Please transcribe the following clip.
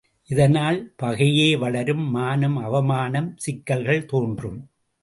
இதனால் பகையே வளரும், மானம் அவமானச் சிக்கல்கள் தோன்றும்.